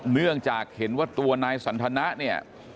เนื่องจากเห็นว่าตัวนายสันทนะเนี่ย